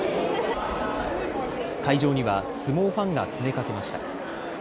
会場には相撲ファンが詰めかけました。